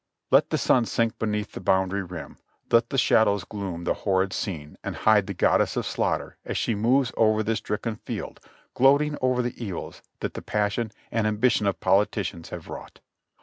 Let the sun sink beneath the boundary rim, let the shadows gloom the horrid scene and hide the Goddess of Slaughter as she moves over the stricken field gloating over the evils that the passion and ambition of politicians have wrought.